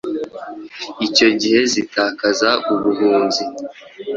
Icyo gihe zitakaza ubuhunzi,